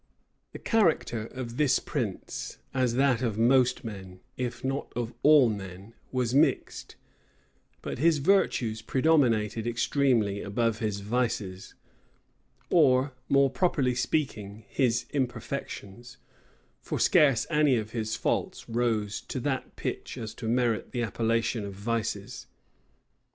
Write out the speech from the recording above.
The character of this prince, as that of most men, if not of all men, was mixed; but his virtues predominated extremely above his vices, or, more properly speaking, his imperfections; for scarce any of his faults rose to that pitch as to merit the appellation of vices.